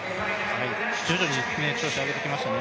徐々に調子を上げてきましたね